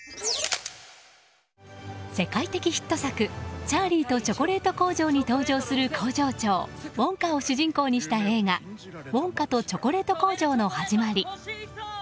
世界的ヒット作「チャーリーとチョコレート工場」に登場する工場長ウォンカを主人公にした映画「ウォンカとチョコレート工場のはじまり」。